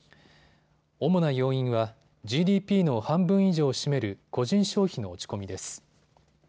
主な要因はＧＤＰの半分以上を占める個人消費の落ち込みです。